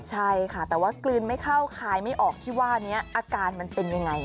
ใช่ค่ะแต่ว่ากลืนไม่เข้าคายไม่ออกที่ว่านี้อาการมันเป็นยังไง